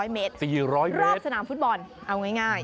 ๔๐๐เมตรรอบสนามฟุตบอลเอาง่าย